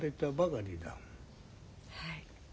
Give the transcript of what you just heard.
はい。